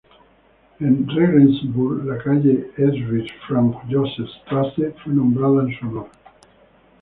En Regensburg, la calle Erbprinz-Franz-Joseph-Straße fue nombrada en su honor.